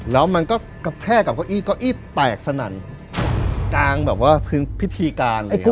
แล้วมันก็กระแทกกับก้อยก้อยแตกสนั่นกลางแบบว่าพื้นพิธีการเลยครับ